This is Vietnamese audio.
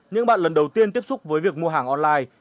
những bạn lần đầu tiên tiếp xúc với việc mua hàng online